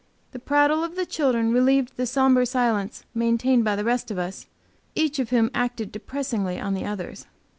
The prattle of the children relieved the sombre silence maintained by the rest of us, each of whom acted depressingly on the others.